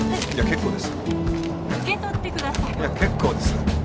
結構です。